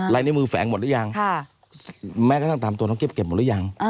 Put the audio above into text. ในมือแฝงหมดหรือยังแม้กระทั่งตามตัวน้องเก็บหมดหรือยัง